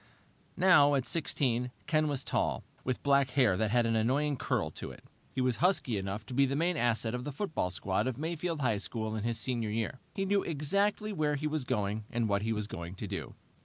Now, at sixteen, Ken was tall, with black hair that had an annoying curl to it. He was husky enough to be the main asset of the football squad of Mayfield High School in his senior year. He knew exactly where he was going and what he was going to do.